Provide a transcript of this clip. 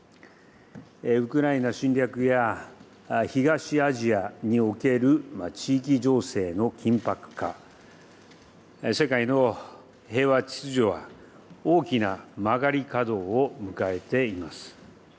ウクライナ侵略や、東アジアにおける地域情勢の緊迫化、世界の平和秩序は、大きな曲がり角を迎えています。